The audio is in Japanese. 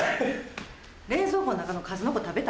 冷蔵庫の中の数の子食べた？